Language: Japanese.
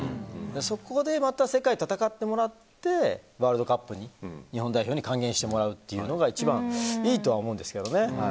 そこでまた世界と戦ってもらってワールドカップ、日本代表に還元してもらうというのが一番いいとは思うんですけどね。